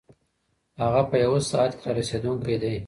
هغه په یوه ساعت کې رارسېدونکی دی.